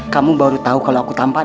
kamu baru tahu kalau aku tampan